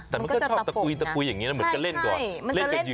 แต่มันก็ชอบตะปุ๋ยอย่างนี้เหมือนก็เล่นก่อน